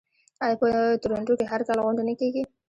آیا په تورنټو کې هر کال غونډه نه کیږي؟